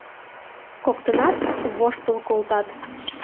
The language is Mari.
Коктынат воштыл колтат.